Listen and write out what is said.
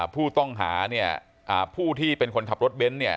ผู้ต้องหาเนี่ยผู้ที่เป็นคนขับรถเบนท์เนี่ย